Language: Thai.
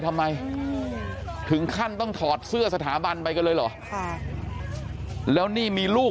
ทำไมถึงขั้นต้องถอดเสื้อสถาบันไปกันเลยเหรอค่ะแล้วนี่มีลูก